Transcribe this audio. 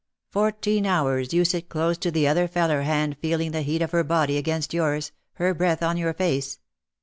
Fourteen hours you sit close to the other feller hand feeling the heat of her body against yours, her breath on your face.